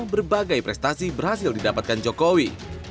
berbagai prestasi berhasil didapatkan jokowi